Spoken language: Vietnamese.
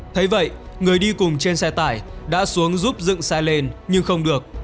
thấy vậy người đi cùng trên xe tải đã xuống giúp dựng xe lên nhưng không được